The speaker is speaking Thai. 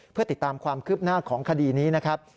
เพื่อติดตามความคืบหน้าของคดีนี้นะครับ